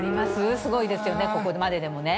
すごいですよね、ここまででもね。